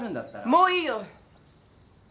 もういいよ！